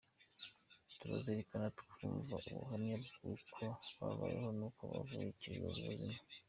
Tubazirikana twumva ubuhamya bw’uko babayeho n’uko bavukijwe ubuzima.